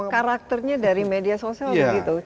karakternya dari media sosial begitu